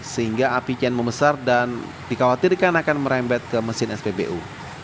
sehingga api kian membesar dan dikhawatirkan akan merembet ke mesin spbu